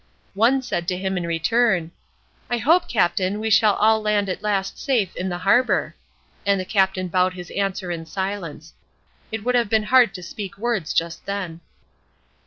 One said to him in return: "I hope, captain, we shall all land at last safe in the harbor." And the captain bowed his answer in silence. It would have been hard to speak words just then.